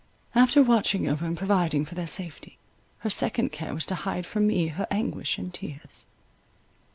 After watching over and providing for their safety, her second care was to hide from me her anguish and tears.